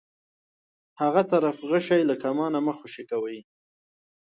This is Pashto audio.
هغه طرف غشی له کمانه مه خوشی کوئ.